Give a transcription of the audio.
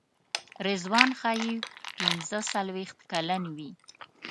رضوان ښایي پنځه څلوېښت کلن وي.